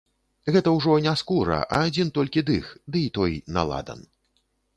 Гэта ўжо не скура, а адзін толькі дых, ды і той на ладан.